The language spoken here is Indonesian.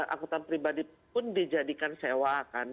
angkutan pribadi pun dijadikan sewa